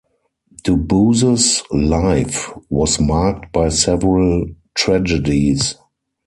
Dubus's life was marked by several tragedies.